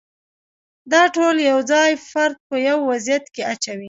دا ټول یو ځای فرد په یو وضعیت کې اچوي.